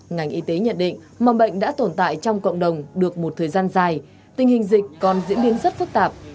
ngành y tế nhận định mầm bệnh đã tồn tại trong cộng đồng được một thời gian dài tình hình dịch còn diễn biến rất phức tạp